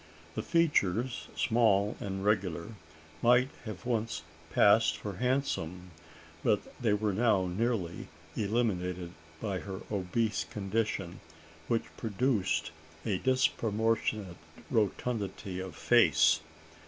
The features, small and regular, might have once passed for handsome; but they were now nearly eliminated by her obese condition, which produced a disproportionate rotundity of face.